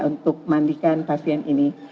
untuk mandikan pasien ini